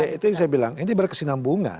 ya itu yang saya bilang ini berarti kesinambungan